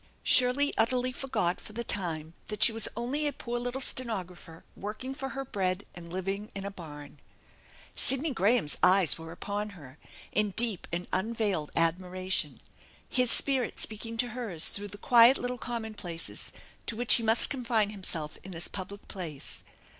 Shirley utterly forgot for the time that she was only a poor little stenographer working for her bread and living in a barn. Sidney Graham's eyes were upon her, in deep and un veiled admiration, his spirit speaking to hers through the quiet little commonplaces to which he must confine himself in this public place.